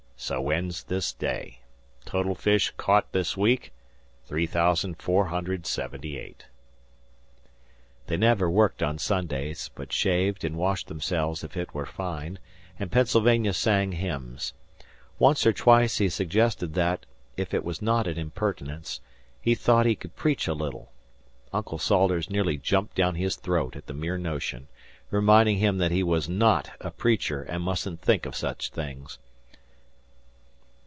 So ends this day. Total fish caught this week, 3,478." They never worked on Sundays, but shaved, and washed themselves if it were fine, and Pennsylvania sang hymns. Once or twice he suggested that, if it was not an impertinence, he thought he could preach a little. Uncle Salters nearly jumped down his throat at the mere notion, reminding him that he was not a preacher and mustn't think of such things.